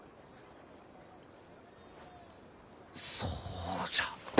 そうじゃ。